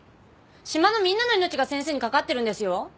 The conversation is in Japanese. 島のみんなの命が先生にかかってるんですよ。